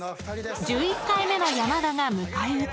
［１１回目の山田が迎え撃つ］